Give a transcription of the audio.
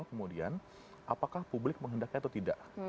ini kemudian apakah publik menghendaknya atau tidak